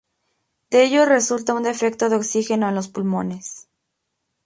De ello resulta un defecto de oxígeno en los pulmones.